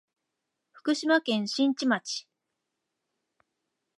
福島県新地町